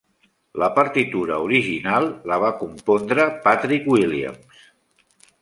La partitura original la va compondre Patrick Williams.